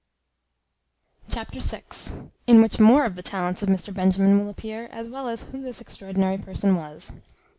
Chapter vi. In which more of the talents of Mr Benjamin will appear, as well as who this extraordinary person was.